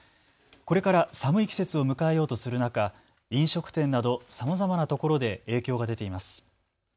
これから寒い季節を迎えようとする中、飲食店などさまざまなところで影響が出ています。